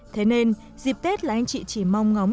thế nên dịp tết là anh chị chỉ mong ngóng